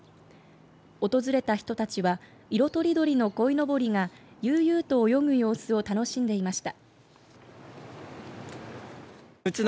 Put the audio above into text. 訪れた人たちは色とりどりのこいのぼりが悠々と泳ぐ様子を楽しんでいました。